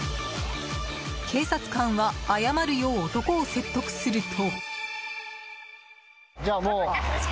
警察官は謝るよう男を説得すると。